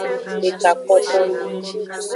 Deka kpoto nung.